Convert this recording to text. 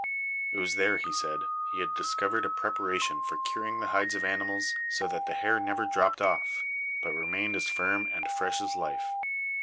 It was there, he said, he had discovered a preparation for curing the hides of animals so that the hair never dropped off, but remained as firm and fresh as life.